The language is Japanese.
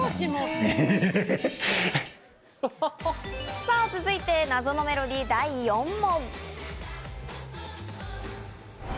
さぁ続いて、謎のメロディー第４問。